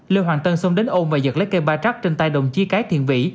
lê hoàng tân xông đến ôm và giật lấy cây ba trắc trên tay đồng chí cái thiện vĩ